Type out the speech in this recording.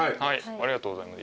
ありがとうございます